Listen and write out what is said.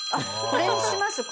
これにします。